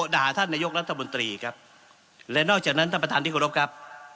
ท่านนายกรัฐมนตรีครับและนอกจากนั้นท่านประธานที่เคารพครับ